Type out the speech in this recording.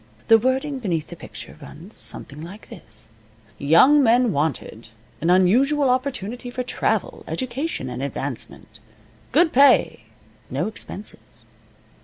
The wording beneath the picture runs something like this: "Young men wanted. An unusual opportunity for travel, education, and advancement. Good pay. No expenses."